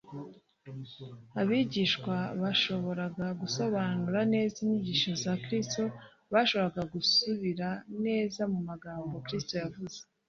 abigishwa bashoboraga gusobanura neza inyigisho za kristo, bashoboraga gusubira neza mu magambo kristo yavuze